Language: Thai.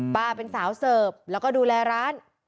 เป็นสาวเสิร์ฟแล้วก็ดูแลร้าน